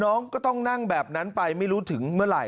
น้องก็ต้องนั่งแบบนั้นไปไม่รู้ถึงเมื่อไหร่